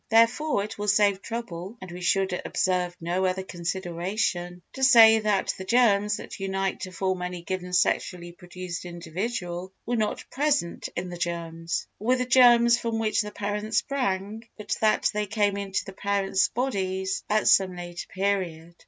Therefore it will save trouble (and we should observe no other consideration) to say that the germs that unite to form any given sexually produced individual were not present in the germs, or with the germs, from which the parents sprang, but that they came into the parents' bodies at some later period.